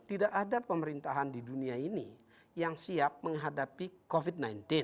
tidak ada pemerintahan di dunia ini yang siap menghadapi covid sembilan belas